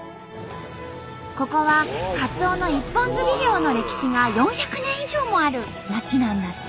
ここはカツオの一本釣り漁の歴史が４００年以上もある町なんだって！